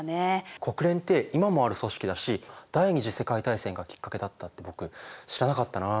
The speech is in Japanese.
国連って今もある組織だし第二次世界大戦がきっかけだったって僕知らなかったなあ。